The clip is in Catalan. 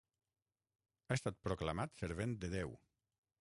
Ha estat proclamat servent de Déu.